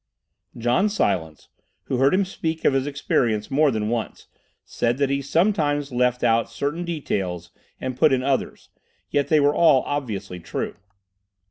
John Silence, who heard him speak of his experience more than once, said that he sometimes left out certain details and put in others; yet they were all obviously true.